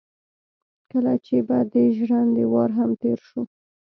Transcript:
کله چې به د ژرندې وار هم تېر شو.